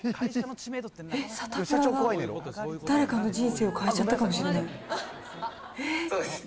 サタプラが誰かの人生を変えちゃったかもしれない？